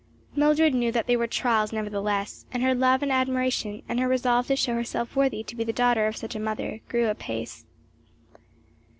Mildred knew that they were trials nevertheless, and her love and admiration, and her resolve to show herself worthy to be the daughter of such a mother, grew apace.